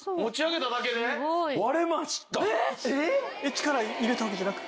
力入れたわけじゃなく？